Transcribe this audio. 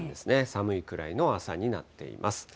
寒いくらいの朝になっています。